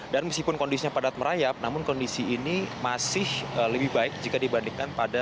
dan meskipun kondisinya padat merayap namun kondisi ini masih lebih baik jika dibandingkan pada hari ini